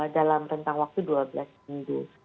dalam rentang waktu dua belas minggu